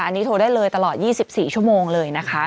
อันนี้โทรได้เลยตลอด๒๔ชั่วโมงเลยนะคะ